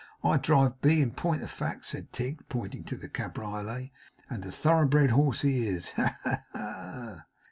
I drive B, in point of fact,' said Tigg, pointing to the cabriolet, 'and a thoroughbred horse he is. Ha, ha, ha!